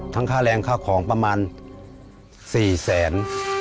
ค่าแรงค่าของประมาณ๔แสน